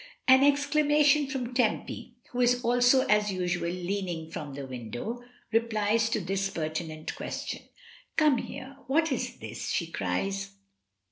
An exclamation from Tempy, who is also as usual leaning from the window, replies to this per tinent question. "Come here! What is this?" she cries.